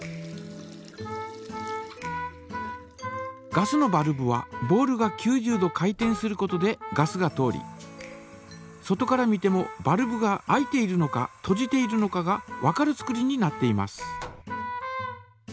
ガスのバルブはボールが９０度回転することでガスが通り外から見てもバルブが開いているのかとじているのかがわかる作りになっています。